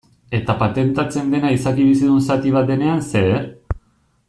Eta patentatzen dena izaki bizidun zati bat denean zer?